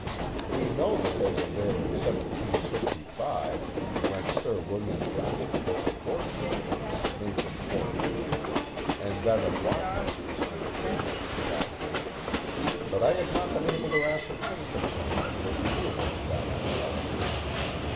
We know that they were there ii^ J755» when Sir William Johnson built a fort for them and named it Fort Hendrick, and that a block house was there previous to that date, but I have not been able to ascertain the time of their removal to that locality.